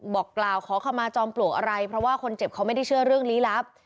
บอกกล่าวขอขมาจอมปลวกอะไรเพราะว่าคนเจ็บเขาไม่ได้เชื่อเรื่องลี้ลับ